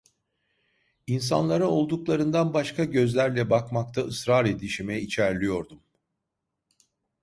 İnsanlara olduklarından başka gözlerle bakmakta ısrar edişime içerliyordum.